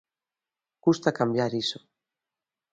Custa cambiar iso.